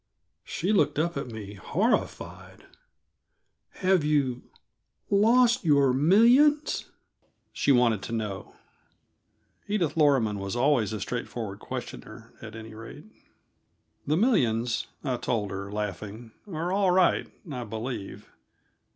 She looked up at me horrified. "Have you lost your millions?" she wanted to know. Edith Loroman was always a straightforward questioner, at any rate. "The millions," I told her, laughing, "are all right, I believe.